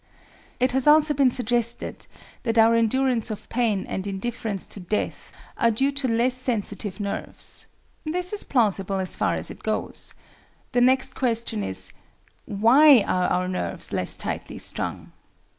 It has also been suggested that our endurance of pain and indifference to death are due to less sensitive nerves. This is plausible as far as it goes. The next question is,—Why are our nerves less tightly strung?